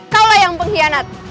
kau lah yang pengkhianat